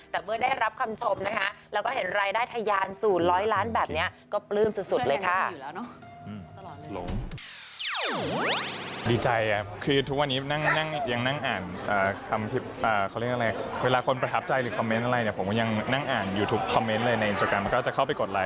แต่เมื่อได้รับคำชมนะคะแล้วก็เห็นรายได้ทะยาน๐๐ล้านแบบนี้ก็ปลื้มสุดเลยค่ะ